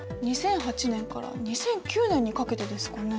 ２００８年から２００９年にかけてですかね。